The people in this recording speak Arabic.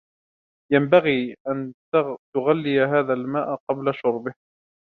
ينبغي أن تغلّي هذا الماء قبل شربِه.